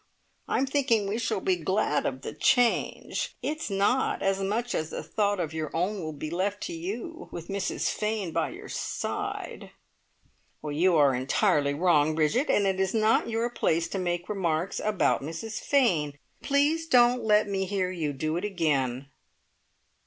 I'm thinking we shall be glad of the change. It's not as much as a thought of your own will be left to you, with Mrs Fane by your side." "You are entirely wrong, Bridget, and it is not your place to make remarks about Mrs Fane. Please don't let me hear you do it again."